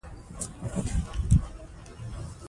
شاه محمود د خپلو عسکرو د ملاتړ لپاره امر صادر کړ.